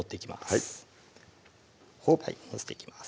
はい載せていきます